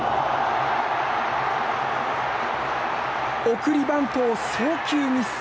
送りバントを送球ミス。